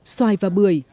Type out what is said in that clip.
xoài và bưởi